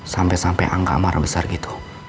sampai sampai angka amarah besar gitu